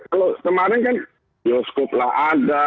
kalau kemarin kan bioskop lah ada